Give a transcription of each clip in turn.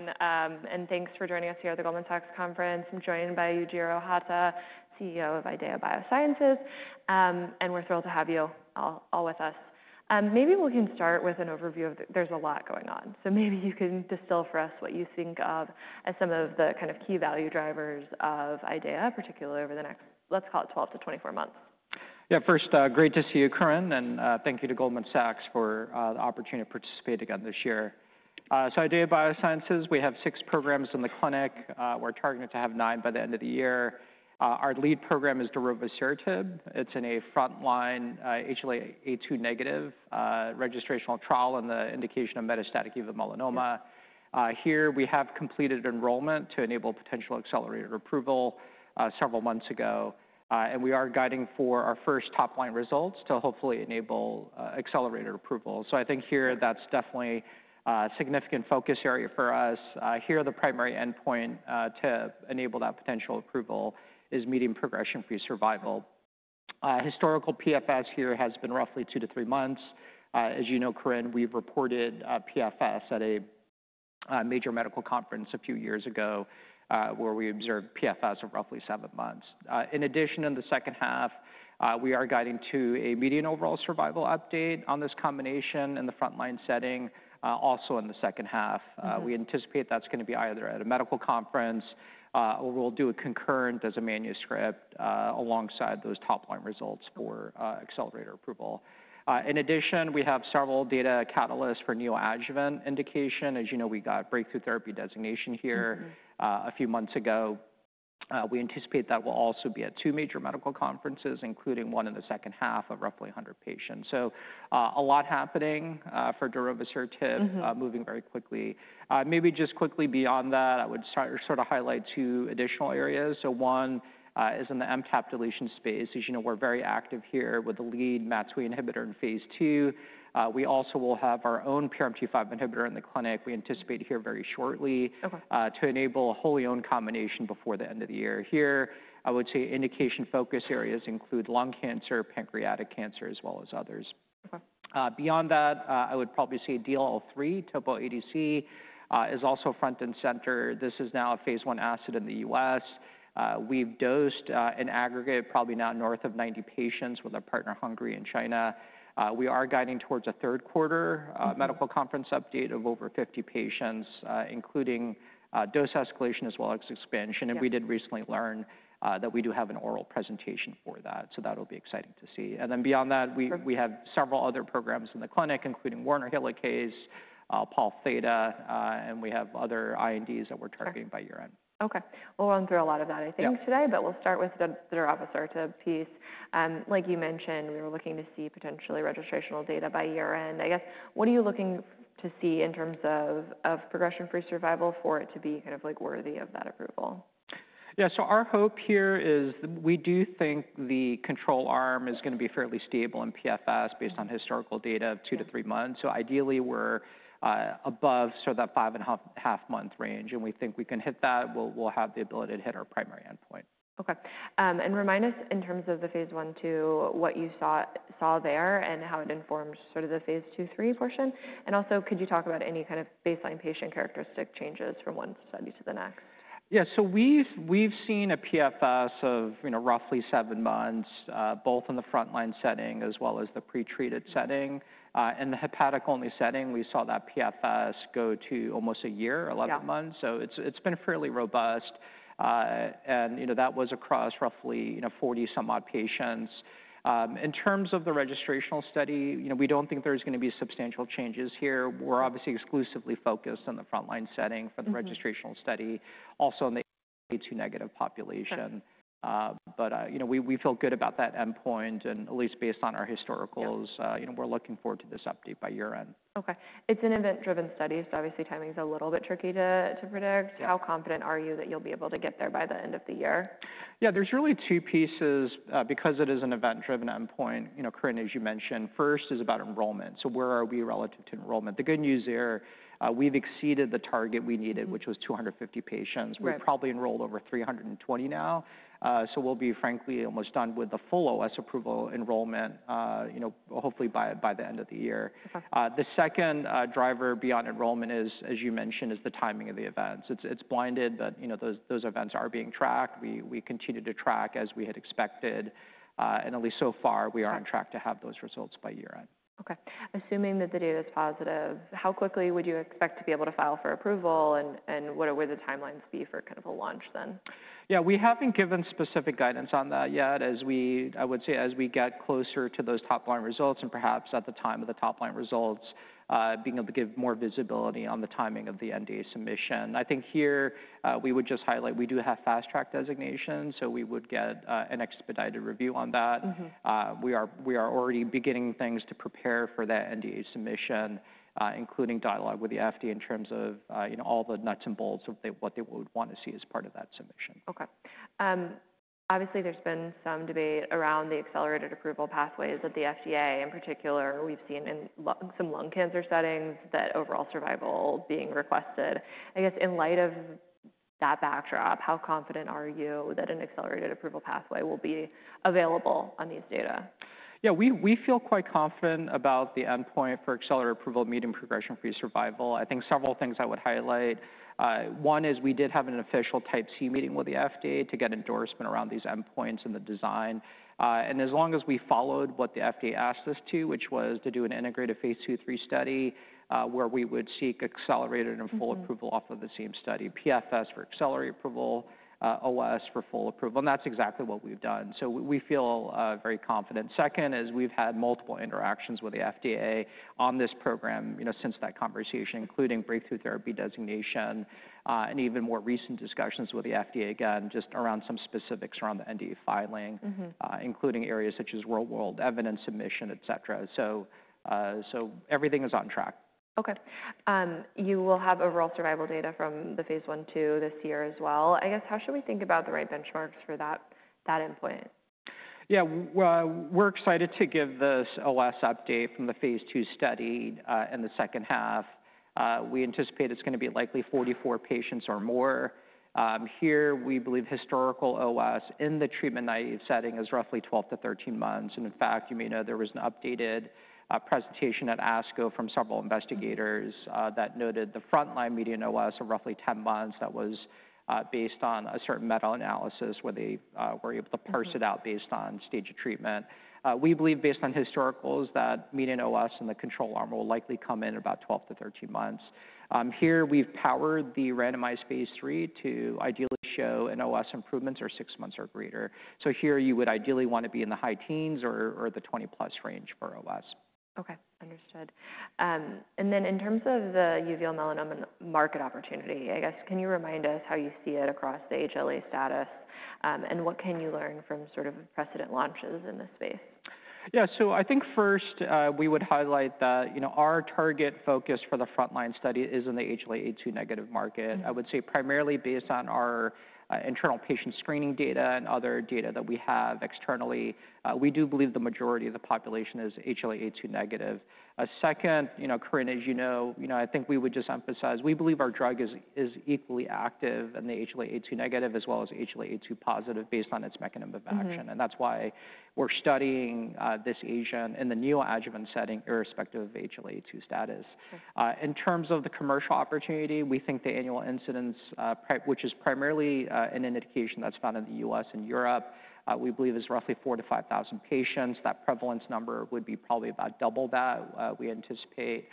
Morning, everyone, and thanks for joining us here at the Goldman Sachs Conference. I'm joined by Yujiro Hata, CEO of IDEAYA Biosciences, and we're thrilled to have you all, all with us. Maybe we can start with an overview of there's a lot going on. Maybe you can distill for us what you think of as some of the kind of key value drivers of IDEAYA, particularly over the next, let's call it 12 to 24 months. Yeah, first, great to see you, Karin. Thank you to Goldman Sachs for the opportunity to participate again this year. So, IDEAYA Biosciences, we have six programs in the clinic. We're targeting to have nine by the end of the year. Our lead program is darovasertib. It's in a frontline, HLA-A2 negative, registrational trial in the indication of metastatic uveal melanoma. Here we have completed enrollment to enable potential accelerated approval, several months ago. We are guiding for our first top line results to hopefully enable accelerated approval. I think here that's definitely a significant focus area for us. Here the primary endpoint to enable that potential approval is median progression-free survival. Historical PFS here has been roughly two to three months. As you know, Karin, we've reported PFS at a major medical conference a few years ago, where we observed PFS of roughly seven months. In addition, in the second half, we are guiding to a median overall survival update on this combination in the frontline setting, also in the second half. We anticipate that's gonna be either at a medical conference, or we'll do a concurrent as a manuscript, alongside those top line results for accelerator approval. In addition, we have several data catalysts for neoadjuvant indication. As you know, we got breakthrough therapy designation here a few months ago. We anticipate that will also be at two major medical conferences, including one in the second half of roughly 100 patients. A lot happening for darovasertib, moving very quickly. Maybe just quickly beyond that, I would start, sort of highlight two additional areas. One, is in the MTAP deletion space. As you know, we're very active here with the lead MAT2A inhibitor in phase II. We also will have our own PRMT5 inhibitor in the clinic. We anticipate here very shortly. Okay. to enable a wholly owned combination before the end of the year here. I would say indication focus areas include lung cancer, pancreatic cancer, as well as others. Okay. Beyond that, I would probably say DLL3 Topo ADC is also front and center. This is now a phase I asset in the U.S. We've dosed, in aggregate, probably now north of 90 patients with a partner in Hungary and China. We are guiding towards a third quarter medical conference update of over 50 patients, including dose escalation as well as expansion. We did recently learn that we do have an oral presentation for that. That will be exciting to see. Beyond that, we have several other programs in the clinic, including Werner Helicase, Pol Theta, and we have other INDs that we're targeting by year end. Okay. We'll run through a lot of that, I think, today, but we'll start with the darovasertib piece. Like you mentioned, we were looking to see potentially registrational data by year end. I guess, what are you looking to see in terms of progression-free survival for it to be kind of like worthy of that approval? Yeah. Our hope here is that we do think the control arm is gonna be fairly stable in PFS based on historical data of two to three months. Ideally, we're above sort of that five and a half month range. We think we can hit that. We'll have the ability to hit our primary endpoint. Okay. And remind us in terms of the phase I, II, what you saw there and how it informed sort of the phase II, III portion. Also, could you talk about any kind of baseline patient characteristic changes from one study to the next? Yeah. So we've seen a PFS of, you know, roughly seven months, both in the frontline setting as well as the pretreated setting. In the hepatic only setting, we saw that PFS go to almost a year, 11 months. It's been fairly robust. And, you know, that was across roughly, you know, 40 some odd patients. In terms of the registrational study, you know, we don't think there's gonna be substantial changes here. We're obviously exclusively focused on the frontline setting for the registrational study, also in the HLA-A2 negative population. But, you know, we feel good about that endpoint and at least based on our historicals, you know, we're looking forward to this update by year end. Okay. It's an event-driven study, so obviously timing's a little bit tricky to predict. How confident are you that you'll be able to get there by the end of the year? Yeah, there's really two pieces, because it is an event-driven endpoint. You know, Karin, as you mentioned, first is about enrollment. So where are we relative to enrollment? The good news here, we've exceeded the target we needed, which was 250 patients. We've probably enrolled over 320 now. We'll be frankly almost done with the full OS approval enrollment, you know, hopefully by the end of the year. The second driver beyond enrollment is, as you mentioned, the timing of the events. It's blinded, but you know, those events are being tracked. We continue to track as we had expected, and at least so far we are on track to have those results by year end. Okay. Assuming that the data is positive, how quickly would you expect to be able to file for approval, and what would the timelines be for kind of a launch then? Yeah, we haven't given specific guidance on that yet. As we, I would say, as we get closer to those top line results and perhaps at the time of the top line results, being able to give more visibility on the timing of the NDA submission. I think here, we would just highlight we do have fast track designation, so we would get an expedited review on that. We are already beginning things to prepare for that NDA submission, including dialogue with the FDA in terms of, you know, all the nuts and bolts of what they would wanna see as part of that submission. Okay. Obviously there's been some debate around the accelerated approval pathways that the FDA, in particular, we've seen in some lung cancer settings that overall survival being requested. I guess in light of that backdrop, how confident are you that an accelerated approval pathway will be available on these data? Yeah, we feel quite confident about the endpoint for accelerated approval, medium progression-free survival. I think several things I would highlight. One is we did have an official Type C meeting with the FDA to get endorsement around these endpoints and the design. As long as we followed what the FDA asked us to, which was to do an integrated phase II, III study, where we would seek accelerated and full approval off of the same study, PFS for accelerated approval, OS for full approval. That's exactly what we've done. We feel very confident. Second is we've had multiple interactions with the FDA on this program, you know, since that conversation, including breakthrough therapy designation, and even more recent discussions with the FDA again, just around some specifics around the NDA filing, including areas such as real world evidence submission, et cetera. So, so everything is on track. Okay. You will have overall survival data from the phase I, II this year as well. I guess, how should we think about the right benchmarks for that, that endpoint? Yeah, we are excited to give this OS update from the phase II study in the second half. We anticipate it is gonna be likely 44 patients or more. Here we believe historical OS in the treatment naive setting is roughly 12-13 months. In fact, you may know there was an updated presentation at ASCO from several investigators that noted the frontline median OS of roughly 10 months that was based on a certain meta-analysis where they were able to parse it out based on stage of treatment. We believe based on historicals that median OS in the control arm will likely come in about 12-13 months. Here we have powered the randomized phase III to ideally show an OS improvement of six months or greater. You would ideally want to be in the high teens or the 20 plus range for OS. Okay. Understood. And then in terms of the uveal melanoma market opportunity, I guess, can you remind us how you see it across the HLA status? And what can you learn from sort of precedent launches in this space? Yeah. I think first, we would highlight that, you know, our target focus for the frontline study is in the HLA-A2 negative market. I would say primarily based on our internal patient screening data and other data that we have externally. We do believe the majority of the population is HLA-A2 negative. Second, you know, Karin, as you know, I think we would just emphasize we believe our drug is equally active in the HLA-A2 negative as well as HLA-A2 positive based on its mechanism of action. That is why we are studying this agent in the neoadjuvant setting irrespective of HLA-A2 status. In terms of the commercial opportunity, we think the annual incidence, which is primarily an indication that is found in the U.S. and Europe, we believe is roughly 4,000-5,000 patients. That prevalence number would be probably about double that, we anticipate.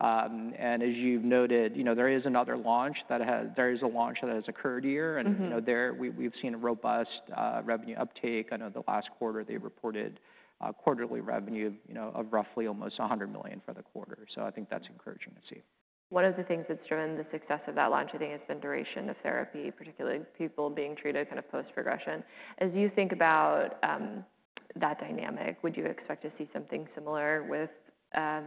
As you've noted, you know, there is another launch that has, there is a launch that has occurred here. You know, we've seen a robust revenue uptake. I know the last quarter they reported quarterly revenue, you know, of roughly almost $100 million for the quarter. I think that's encouraging to see. One of the things that's driven the success of that launch, I think, has been duration of therapy, particularly people being treated kind of post-progression. As you think about that dynamic, would you expect to see something similar with,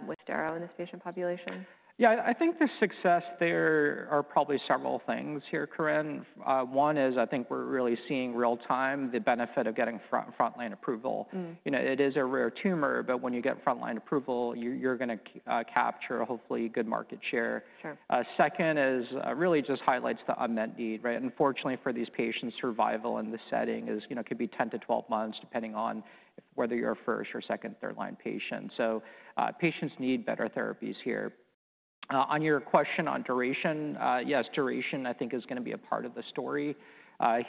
with darovasertib in this patient population? Yeah, I think the success there are probably several things here, Karin. One is I think we're really seeing real time the benefit of getting front, frontline approval. You know, it is a rare tumor, but when you get frontline approval, you, you're gonna capture hopefully good market share. Sure. Second is, really just highlights the unmet need, right? Unfortunately for these patients, survival in the setting is, you know, could be 10-12 months depending on whether you're a first or second, third line patient. Patients need better therapies here. On your question on duration, yes, duration I think is gonna be a part of the story.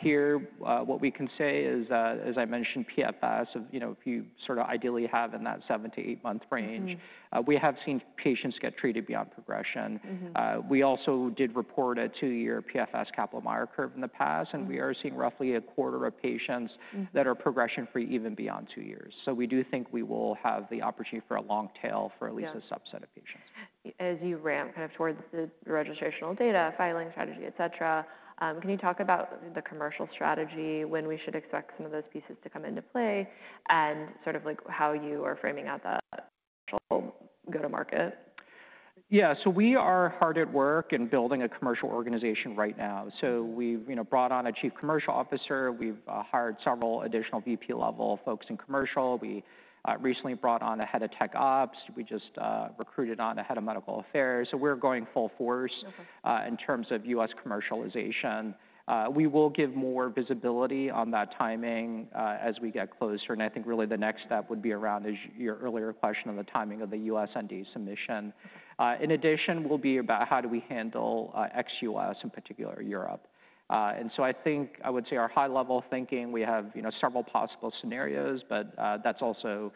Here, what we can say is, as I mentioned, PFS of, you know, if you sort of ideally have in that seven to eight month range, we have seen patients get treated beyond progression. We also did report a two-year PFS Kaplan-Meier curve in the past, and we are seeing roughly a quarter of patients that are progression-free even beyond two years. We do think we will have the opportunity for a long tail for at least a subset of patients. As you ramp kind of towards the registrational data, filing strategy, et cetera, can you talk about the commercial strategy, when we should expect some of those pieces to come into play and sort of like how you are framing out that commercial go-to-market? Yeah. We are hard at work in building a commercial organization right now. We've, you know, brought on a Chief Commercial Officer. We've hired several additional VP level folks in commercial. We recently brought on a head of tech ops. We just recruited a head of medical affairs. We're going full force, in terms of U.S. commercialization. We will give more visibility on that timing as we get closer. I think really the next step would be around, as your earlier question, on the timing of the U.S. NDA submission. In addition, we'll be about how do we handle ex-U.S., in particular Europe. I think I would say our high level thinking, we have, you know, several possible scenarios, but that's also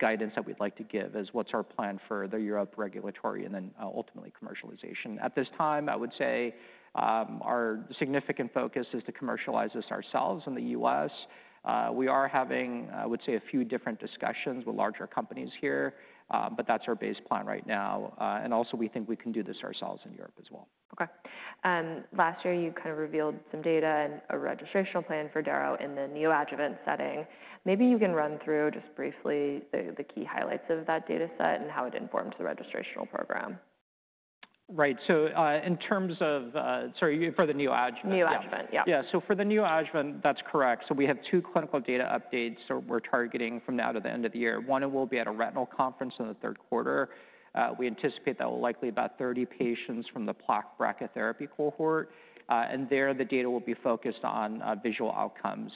guidance that we'd like to give as what's our plan for the Europe regulatory and then ultimately commercialization. At this time, I would say, our significant focus is to commercialize this ourselves in the U.S. We are having, I would say, a few different discussions with larger companies here, but that's our base plan right now. We also think we can do this ourselves in Europe as well. Okay. Last year you kind of revealed some data and a registrational plan for darovasertib in the neoadjuvant setting. Maybe you can run through just briefly the key highlights of that data set and how it informs the registrational program. Right. In terms of, sorry, for the neoadjuvant. Neoadjuvant. Yeah. Yeah. For the neoadjuvant, that's correct. We have two clinical data updates. We're targeting from now to the end of the year. One will be at a retinal conference in the third quarter. We anticipate that will likely be about 30 patients from the plaque bracket therapy cohort, and there the data will be focused on visual outcomes.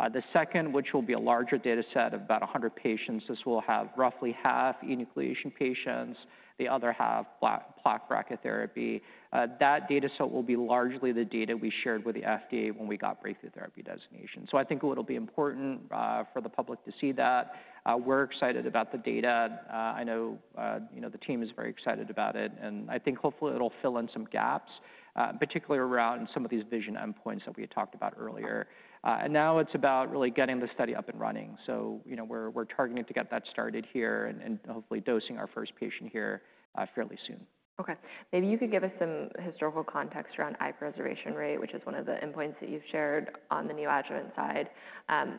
The second, which will be a larger data set of about 100 patients, will have roughly half enucleation patients, the other half plaque bracket therapy. That data set will be largely the data we shared with the FDA when we got breakthrough therapy designation. I think it'll be important for the public to see that. We're excited about the data. I know, you know, the team is very excited about it. I think hopefully it'll fill in some gaps, particularly around some of these vision endpoints that we had talked about earlier. Now it's about really getting the study up and running. You know, we're targeting to get that started here and hopefully dosing our first patient here fairly soon. Okay. Maybe you could give us some historical context around eye preservation rate, which is one of the endpoints that you've shared on the neoadjuvant side.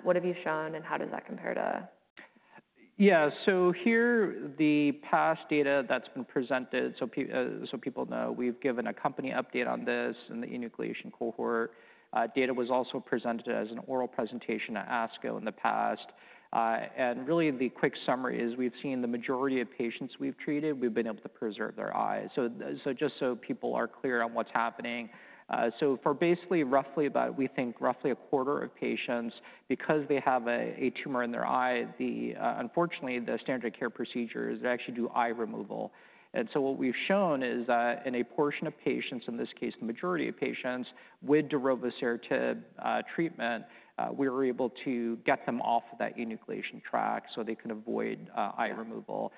What have you shown and how does that compare to? Yeah. Here the past data that's been presented, so people know we've given a company update on this and the enucleation cohort. Data was also presented as an oral presentation at ASCO in the past. Really the quick summary is we've seen the majority of patients we've treated, we've been able to preserve their eyes. Just so people are clear on what's happening, for basically roughly about, we think roughly a quarter of patients, because they have a tumor in their eye, unfortunately the standard of care procedures actually do eye removal. What we've shown is that in a portion of patients, in this case the majority of patients with darovasertib treatment, we were able to get them off of that enucleation track so they can avoid eye removal.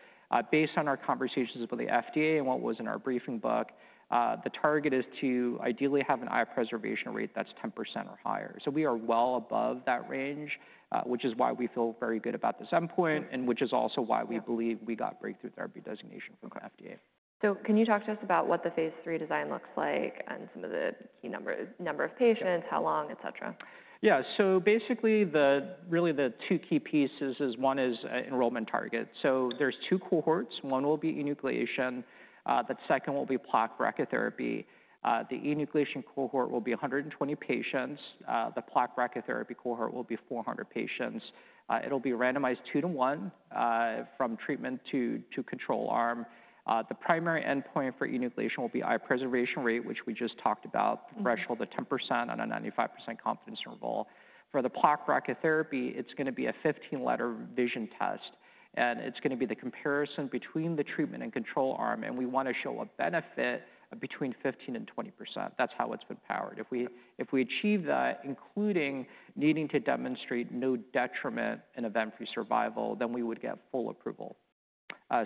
Based on our conversations with the FDA and what was in our briefing book, the target is to ideally have an eye preservation rate that's 10% or higher. We are well above that range, which is why we feel very good about this endpoint and which is also why we believe we got breakthrough therapy designation from the FDA. Can you talk to us about what the phase III design looks like and some of the key number, number of patients, how long, et cetera? Yeah. So basically, really the two key pieces is one is enrollment target. So there's two cohorts. One will be enucleation, the second will be plaque bracket therapy. The enucleation cohort will be 120 patients. The plaque bracket therapy cohort will be 400 patients. It'll be randomized two to one, from treatment to control arm. The primary endpoint for enucleation will be eye preservation rate, which we just talked about, the threshold of 10% on a 95% confidence interval. For the plaque bracket therapy, it's gonna be a 15 letter vision test and it's gonna be the comparison between the treatment and control arm. And we wanna show a benefit between 15%-20%. That's how it's been powered. If we achieve that, including needing to demonstrate no detriment in event-free survival, then we would get full approval.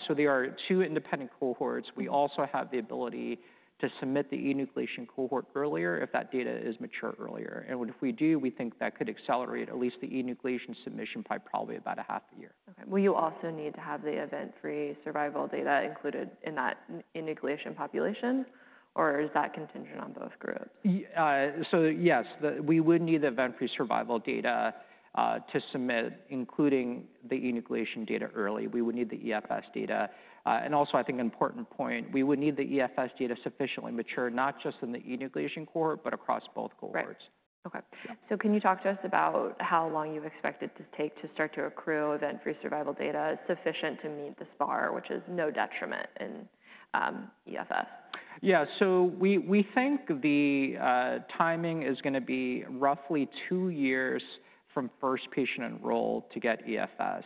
So there are two independent cohorts. We also have the ability to submit the enucleation cohort earlier if that data is mature earlier. If we do, we think that could accelerate at least the enucleation submission by probably about half a year. Okay. Will you also need to have the event-free survival data included in that enucleation population, or is that contingent on both groups? Yes, that we would need the event-free survival data to submit, including the enucleation data early. We would need the EFS data. And also I think an important point, we would need the EFS data sufficiently mature, not just in the enucleation cohort, but across both cohorts. Right. Okay. So can you talk to us about how long you expect it to take to start to accrue event-free survival data sufficient to meet this bar, which is no detriment in EFS? Yeah. We think the timing is gonna be roughly two years from first patient enrolled to get EFS.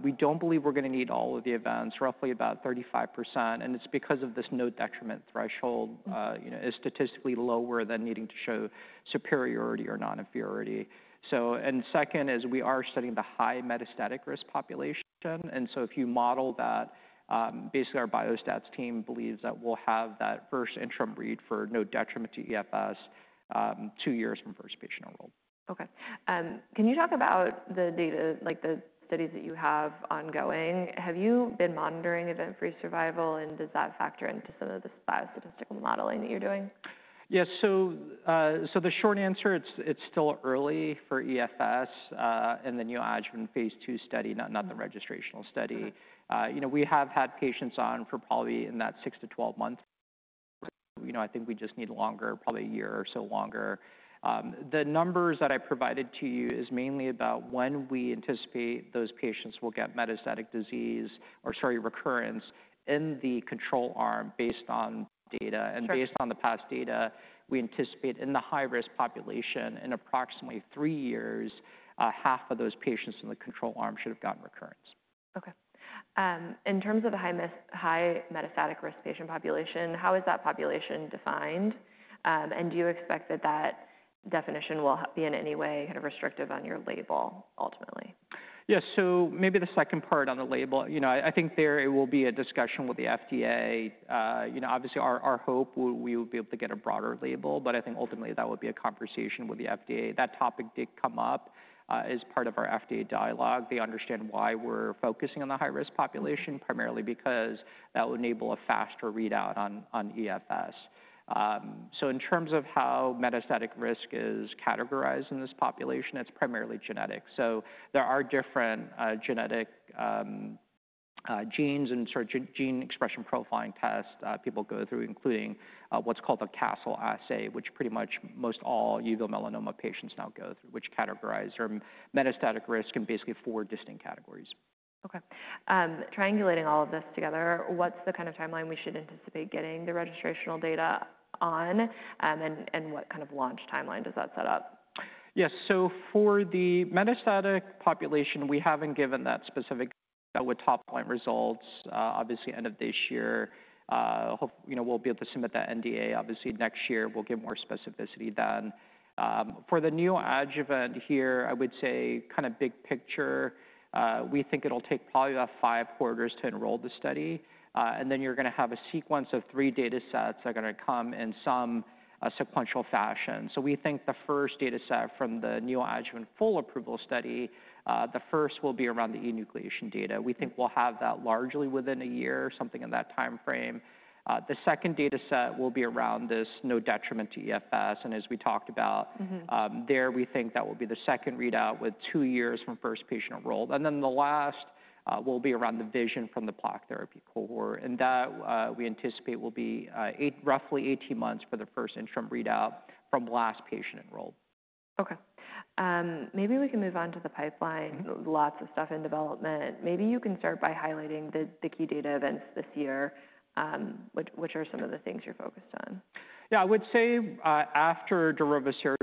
We don't believe we're gonna need all of the events, roughly about 35%. It's because this no detriment threshold, you know, is statistically lower than needing to show superiority or non-inferiority. Second is we are studying the high metastatic risk population. If you model that, basically our biostats team believes that we'll have that first interim read for no detriment to EFS, two years from first patient enrolled. Okay. Can you talk about the data, like the studies that you have ongoing? Have you been monitoring event-free survival and does that factor into some of the biostatistical modeling that you're doing? Yeah. So the short answer, it's still early for EFS, and the neoadjuvant phase II study, not the registrational study. You know, we have had patients on for probably in that six to 12 months. You know, I think we just need longer, probably a year or so longer. The numbers that I provided to you is mainly about when we anticipate those patients will get metastatic disease or, sorry, recurrence in the control arm based on data. And based on the past data, we anticipate in the high risk population in approximately three years, half of those patients in the control arm should have gotten recurrence. Okay. In terms of the high metastatic risk patient population, how is that population defined? And do you expect that that definition will be in any way kind of restrictive on your label ultimately? Yeah. Maybe the second part on the label, you know, I think there it will be a discussion with the FDA. You know, obviously our hope, we would be able to get a broader label, but I think ultimately that would be a conversation with the FDA. That topic did come up as part of our FDA dialogue. They understand why we're focusing on the high risk population, primarily because that would enable a faster readout on EFS. In terms of how metastatic risk is categorized in this population, it's primarily genetic. There are different genetic genes and sort of gene expression profiling tests people go through, including what's called the Castle assay, which pretty much most all uveal melanoma patients now go through, which categorize their metastatic risk in basically four distinct categories. Okay. Triangulating all of this together, what's the kind of timeline we should anticipate getting the registrational data on, and what kind of launch timeline does that set up? Yeah. So for the metastatic population, we haven't given that specific. That would top line results, obviously end of this year. Hope, you know, we'll be able to submit that NDA obviously next year. We'll get more specificity then. For the neoadjuvant here, I would say kind of big picture, we think it'll take probably about five quarters to enroll the study. And then you're gonna have a sequence of three data sets that are gonna come in some sequential fashion. We think the first data set from the neoadjuvant full approval study, the first will be around the enucleation data. We think we'll have that largely within a year, something in that timeframe. The second data set will be around this no detriment to EFS. And as we talked about, there we think that will be the second readout with two years from first patient enrolled. The last will be around the vision from the plaque therapy cohort. That, we anticipate, will be roughly 18 months for the first interim readout from last patient enrolled. Okay. Maybe we can move on to the pipeline. Lots of stuff in development. Maybe you can start by highlighting the key data events this year, which are some of the things you're focused on. Yeah. I would say, after darovasertib,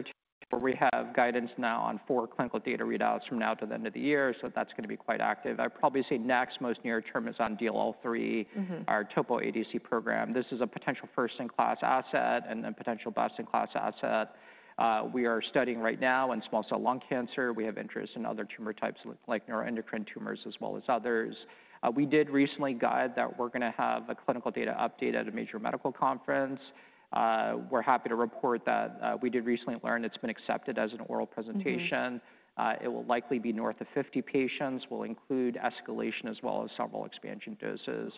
we have guidance now on four clinical data readouts from now to the end of the year. That is gonna be quite active. I'd probably say next most near term is on DLL3, our Topo ADC program. This is a potential first-in-class asset and then potential best-in-class asset. We are studying right now in small cell lung cancer. We have interest in other tumor types like neuroendocrine tumors as well as others. We did recently guide that we're gonna have a clinical data update at a major medical conference. We're happy to report that we did recently learn it's been accepted as an oral presentation. It will likely be north of 50 patients. We'll include escalation as well as several expansion doses.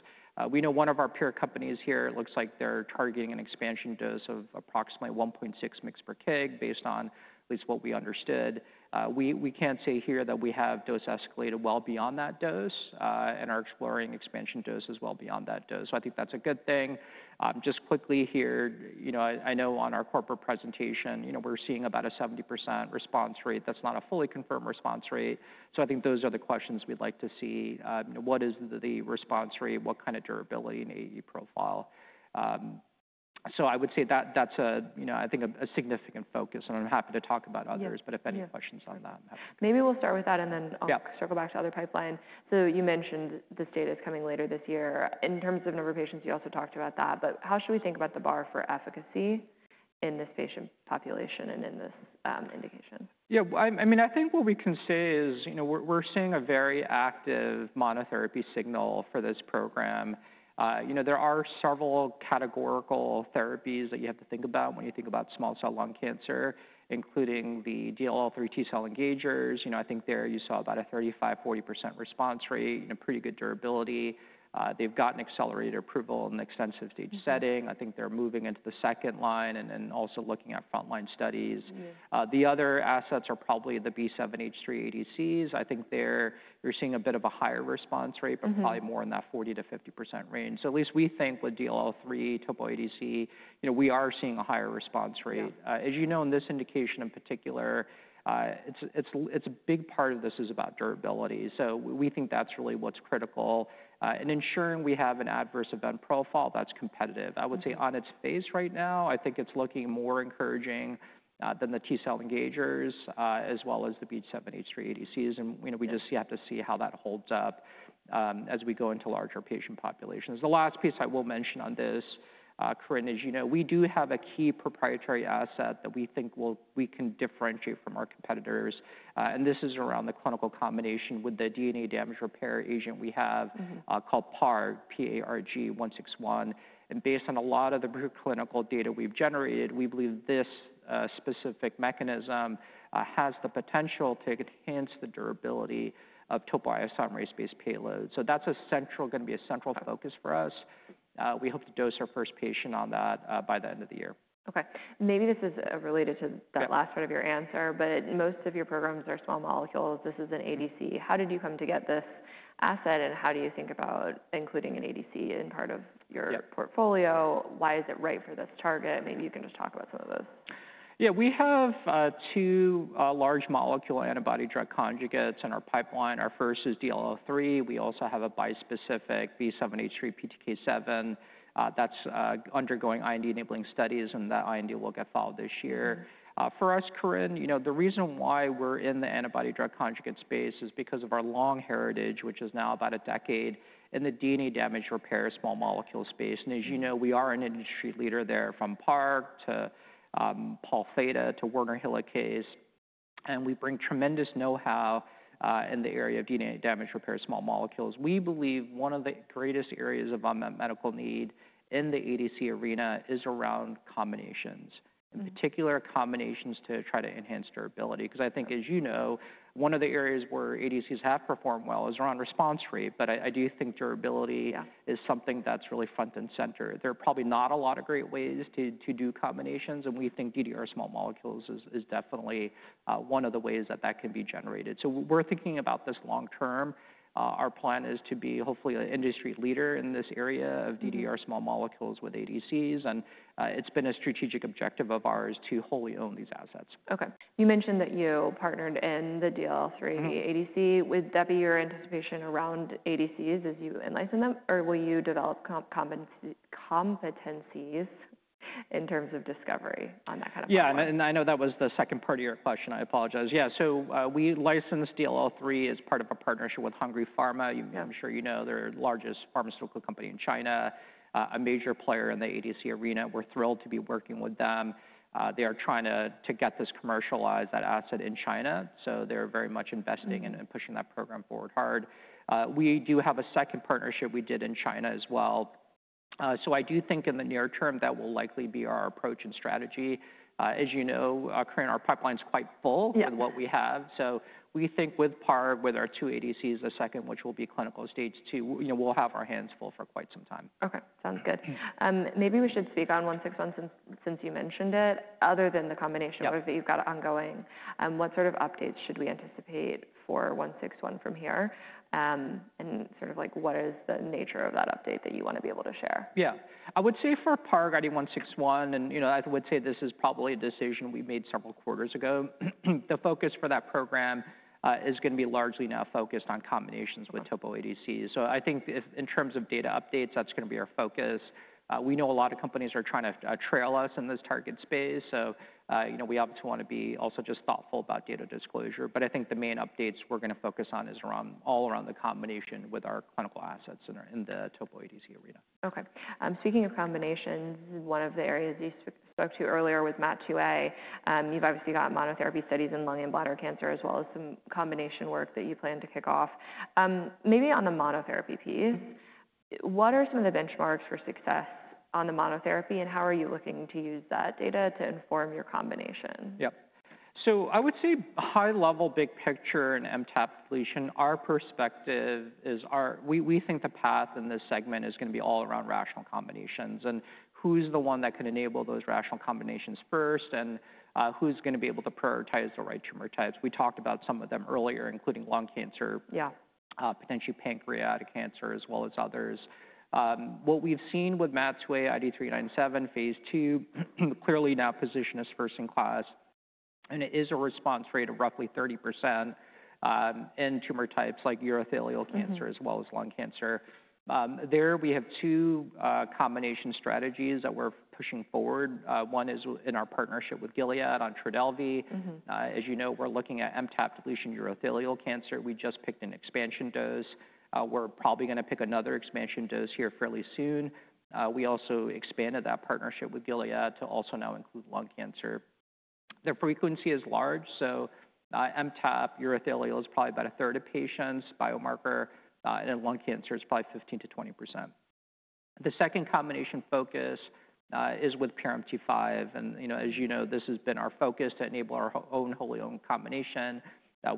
We know one of our peer companies here, it looks like they're targeting an expansion dose of approximately 1.6 mg per kg based on at least what we understood. We can't say here that we have dose escalated well beyond that dose, and are exploring expansion doses as well beyond that dose. I think that's a good thing. Just quickly here, you know, I know on our corporate presentation, you know, we're seeing about a 70% response rate. That's not a fully confirmed response rate. I think those are the questions we'd like to see. You know, what is the response rate? What kind of durability and AE profile? I would say that that's a, you know, I think a significant focus and I'm happy to talk about others. If any questions on that. Maybe we'll start with that and then I'll circle back to other pipeline. You mentioned this data is coming later this year. In terms of number of patients, you also talked about that, but how should we think about the bar for efficacy in this patient population and in this indication? Yeah. I mean, I think what we can say is, you know, we're seeing a very active monotherapy signal for this program. You know, there are several categorical therapies that you have to think about when you think about small cell lung cancer, including the DLL3 T cell engagers. You know, I think there you saw about a 35-40% response rate, you know, pretty good durability. They've gotten accelerated approval in the extensive stage setting. I think they're moving into the second line and then also looking at frontline studies. The other assets are probably the B7H3 ADCs. I think there, you're seeing a bit of a higher response rate, but probably more in that 40-50% range. At least we think with DLL3 Topo ADC, you know, we are seeing a higher response rate. As you know, in this indication in particular, it's a big part of this is about durability. We think that's really what's critical in ensuring we have an adverse event profile that's competitive. I would say on its face right now, I think it's looking more encouraging than the T cell engagers, as well as the B7H3 ADCs. You know, we just have to see how that holds up as we go into larger patient populations. The last piece I will mention on this, Karin, is, you know, we do have a key proprietary asset that we think we can differentiate from our competitors. This is around the clinical combination with the DNA damage repair agent we have, called PARG, P-A-R-G 161. Based on a lot of the clinical data we've generated, we believe this specific mechanism has the potential to enhance the durability of topoisomerase-based payload. That's going to be a central focus for us. We hope to dose our first patient on that by the end of the year. Okay. Maybe this is related to that last part of your answer, but most of your programs are small molecules. This is an ADC. How did you come to get this asset and how do you think about including an ADC in part of your portfolio? Why is it right for this target? Maybe you can just talk about some of those. Yeah. We have two large molecule antibody-drug conjugates in our pipeline. Our first is DLL3. We also have a bispecific B7H3/PTK7 that's undergoing IND-enabling studies, and that IND will get filed this year. For us, Karin, you know, the reason why we're in the antibody-drug conjugate space is because of our long heritage, which is now about a decade in the DNA damage repair small molecule space. You know, we are an industry leader there from PARP to Pol Theta to Werner Helicase. We bring tremendous know-how in the area of DNA damage repair small molecules. We believe one of the greatest areas of unmet medical need in the ADC arena is around combinations, in particular combinations to try to enhance durability. 'Cause I think, as you know, one of the areas where ADCs have performed well is around response rate. I do think durability is something that's really front and center. There are probably not a lot of great ways to do combinations. We think DDR small molecules is definitely one of the ways that that can be generated. We're thinking about this long term. Our plan is to be hopefully an industry leader in this area of DDR small molecules with ADCs. It's been a strategic objective of ours to wholly own these assets. Okay. You mentioned that you partnered in the DLL3 ADC. Would that be your anticipation around ADCs as you enlicense them or will you develop competencies in terms of discovery on that kind of? Yeah. I know that was the second part of your question. I apologize. Yeah. We licensed DLL3 as part of a partnership with Hengrui Pharma. You, I'm sure you know, they're the largest pharmaceutical company in China, a major player in the ADC arena. We're thrilled to be working with them. They are trying to get this commercialized, that asset in China. They're very much investing and pushing that program forward hard. We do have a second partnership we did in China as well. I do think in the near term that will likely be our approach and strategy. As you know, Karin, our pipeline's quite full with what we have. We think with PARG, with our two ADCs, the second, which will be clinical stage two, we'll have our hands full for quite some time. Okay. Sounds good. Maybe we should speak on 161 since you mentioned it. Other than the combination that you've got ongoing, what sort of updates should we anticipate for 161 from here? And sort of like what is the nature of that update that you wanna be able to share? Yeah. I would say for PARG ID-161, and, you know, I would say this is probably a decision we made several quarters ago. The focus for that program is gonna be largely now focused on combinations with topo ADCs. I think if in terms of data updates, that's gonna be our focus. We know a lot of companies are trying to trail us in this target space. You know, we obviously wanna be also just thoughtful about data disclosure. I think the main updates we're gonna focus on is all around the combination with our clinical assets in the topo ADC arena. Okay. Speaking of combinations, one of the areas you spoke to earlier was MAT2A. You've obviously got monotherapy studies in lung and bladder cancer as well as some combination work that you plan to kick off. Maybe on the monotherapy piece, what are some of the benchmarks for success on the monotherapy and how are you looking to use that data to inform your combination? Yep. I would say high level, big picture in MTAP deletion, our perspective is, we think the path in this segment is gonna be all around rational combinations and who's the one that can enable those rational combinations first, and who's gonna be able to prioritize the right tumor types. We talked about some of them earlier, including lung cancer. Yeah. potentially pancreatic cancer as well as others. What we've seen with MAT2A IDE397 phase II, clearly now positioned as first in class, and it is a response rate of roughly 30%, in tumor types like urothelial cancer as well as lung cancer. There we have two combination strategies that we're pushing forward. One is in our partnership with Gilead on Trodelvy. As you know, we're looking at MTAP deletion urothelial cancer. We just picked an expansion dose. We're probably gonna pick another expansion dose here fairly soon. We also expanded that partnership with Gilead to also now include lung cancer. Their frequency is large. MTAP urothelial is probably about a third of patients biomarker, and in lung cancer it's probably 15%-20%. The second combination focus is with PRMT5. And, you know, as you know, this has been our focus to enable our own wholly own combination.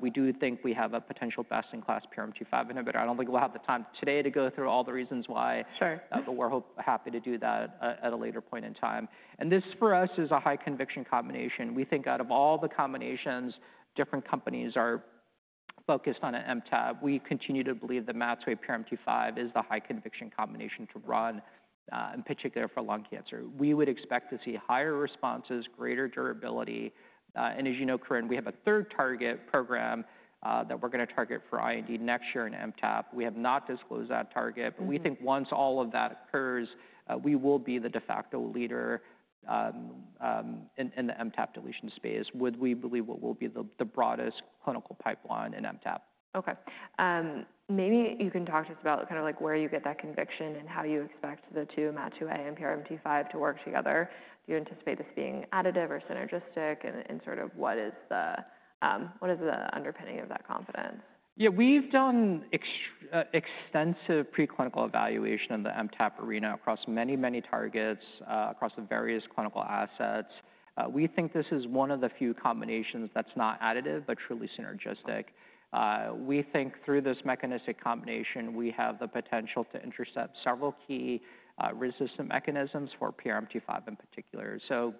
We do think we have a potential best-in-class PRMT5 inhibitor. I don't think we'll have the time today to go through all the reasons why. Sure. We're happy to do that at a later point in time. This for us is a high conviction combination. We think out of all the combinations different companies are focused on in MTAP, we continue to believe that MAT2A PRMT5 is the high conviction combination to run, in particular for lung cancer. We would expect to see higher responses, greater durability. As you know, Karin, we have a third target program that we're gonna target for IND next year in MTAP. We have not disclosed that target, but we think once all of that occurs, we will be the de facto leader in the MTAP deletion space, which we believe will be the broadest clinical pipeline in MTAP. Okay. Maybe you can talk to us about kind of like where you get that conviction and how you expect the two MAT2A and PRMT5 to work together. Do you anticipate this being additive or synergistic, and sort of what is the underpinning of that confidence? Yeah. We've done extensive preclinical evaluation in the MTAP arena across many, many targets, across the various clinical assets. We think this is one of the few combinations that's not additive but truly synergistic. We think through this mechanistic combination, we have the potential to intercept several key resistant mechanisms for PRMT5 in particular. You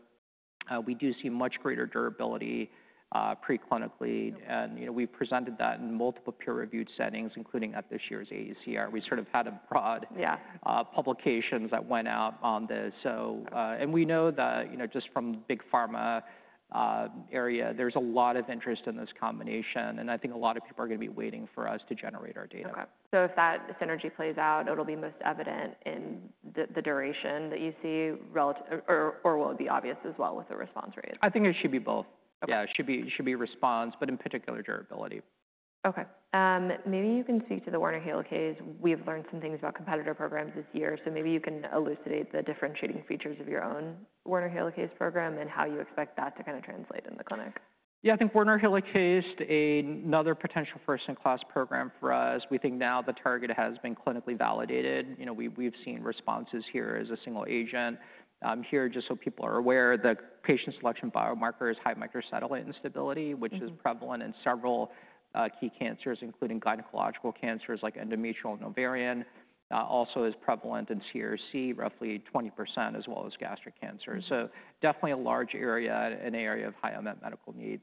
know, we do see much greater durability, preclinically. And you know, we presented that in multiple peer-reviewed settings, including at this year's ADCR. We sort of had a broad. Yeah. Publications that went out on this. And we know that, you know, just from the big pharma area, there's a lot of interest in this combination. I think a lot of people are gonna be waiting for us to generate our data. Okay. If that synergy plays out, it'll be most evident in the duration that you see relative, or will it be obvious as well with the response rate? I think it should be both. Okay. Yeah. It should be, should be response, but in particular durability. Okay. Maybe you can speak to the Werner Helicase. We've learned some things about competitor programs this year. Maybe you can elucidate the differentiating features of your own Werner Helicase program and how you expect that to kind of translate in the clinic. Yeah. I think Werner Helicase is another potential first-in-class program for us. We think now the target has been clinically validated. You know, we've seen responses here as a single agent. Here, just so people are aware, the patient selection biomarker is high microsatellite instability, which is prevalent in several key cancers, including gynecological cancers like endometrial and ovarian. Also, it is prevalent in CRC, roughly 20%, as well as gastric cancer. Definitely a large area, an area of high unmet medical need.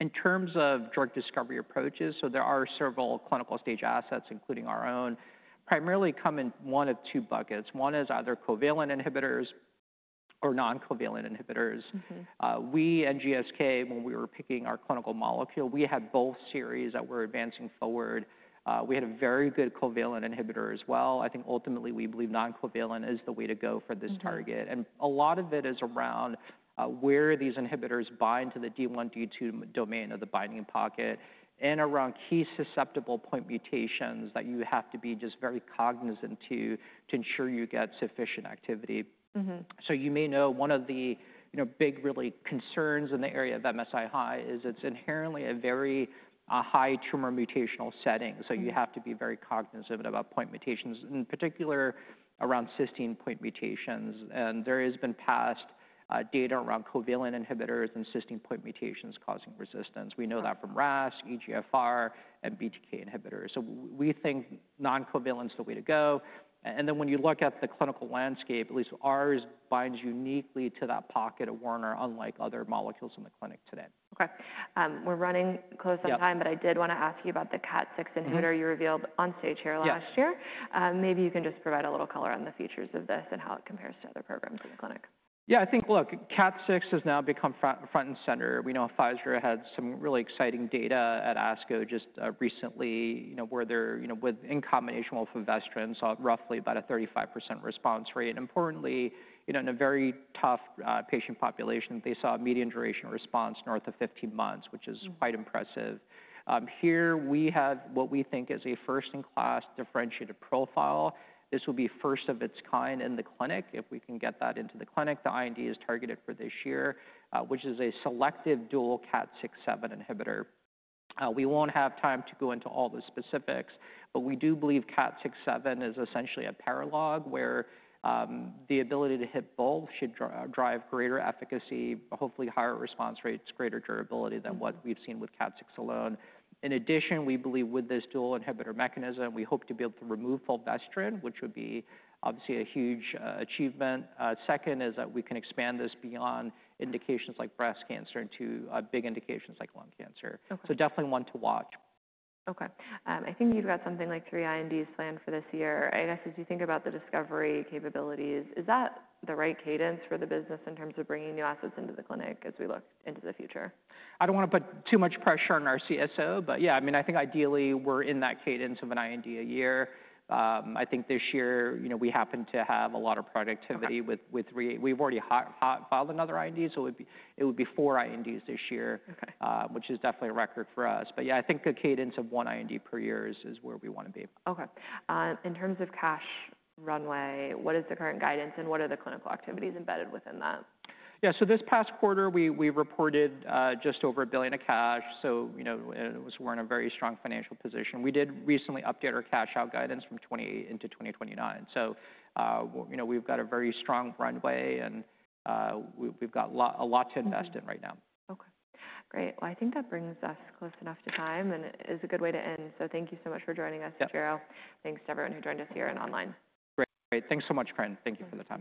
In terms of drug discovery approaches, there are several clinical stage assets, including our own, that primarily come in one of two buckets. One is either covalent inhibitors or non-covalent inhibitors. We and GSK, when we were picking our clinical molecule, we had both series that we're advancing forward. We had a very good covalent inhibitor as well. I think ultimately we believe non-covalent is the way to go for this target. A lot of it is around where these inhibitors bind to the D1, D2 domain of the binding pocket and around key susceptible point mutations that you have to be just very cognizant to, to ensure you get sufficient activity. Mm-hmm. You may know one of the, you know, big really concerns in the area of MSI high is it's inherently a very high tumor mutational setting. You have to be very cognizant about point mutations, in particular around cysteine point mutations. There has been past data around covalent inhibitors and cysteine point mutations causing resistance. We know that from RAS, EGFR, and BTK inhibitors. We think non-covalent's the way to go. When you look at the clinical landscape, at least ours binds uniquely to that pocket of Werner, unlike other molecules in the clinic today. Okay. We're running close on time, but I did wanna ask you about the KAT6 inhibitor you revealed on stage here last year. Yeah. Maybe you can just provide a little color on the features of this and how it compares to other programs in the clinic. Yeah. I think, look, KAT6 has now become front and center. We know Pfizer had some really exciting data at ASCO just recently, you know, where they're, you know, with in combination with fulvestrant, saw roughly about a 35% response rate. And importantly, you know, in a very tough patient population, they saw a median duration response north of 15 months, which is quite impressive. Here we have what we think is a first-in-class differentiated profile. This will be first of its kind in the clinic if we can get that into the clinic. The IND is targeted for this year, which is a selective dual KAT6/7 inhibitor. We won't have time to go into all the specifics, but we do believe KAT6/7 is essentially a paralog where the ability to hit both should drive greater efficacy, hopefully higher response rates, greater durability than what we've seen with KAT6 alone. In addition, we believe with this dual inhibitor mechanism, we hope to be able to remove fulvestrant, which would be obviously a huge achievement. Second is that we can expand this beyond indications like breast cancer into big indications like lung cancer. Okay. Definitely one to watch. Okay. I think you've got something like three INDs planned for this year. I guess as you think about the discovery capabilities, is that the right cadence for the business in terms of bringing new assets into the clinic as we look into the future? I don't wanna put too much pressure on our CSO, but yeah, I mean, I think ideally we're in that cadence of an IND a year. I think this year, you know, we happen to have a lot of productivity, we've already filed another IND. So it would be four INDs this year. Okay. which is definitely a record for us. Yeah, I think a cadence of one IND per year is where we wanna be. Okay. In terms of cash runway, what is the current guidance and what are the clinical activities embedded within that? Yeah. This past quarter, we reported just over $1 billion of cash. You know, we're in a very strong financial position. We did recently update our cash-out guidance from 2028 into 2029. You know, we've got a very strong runway and we've got a lot to invest in right now. Okay. Great. I think that brings us close enough to time and is a good way to end. Thank you so much for joining us. Yeah. Yujiro, thanks to everyone who joined us here and online. Great. Thanks so much, Karin. Thank you for the time.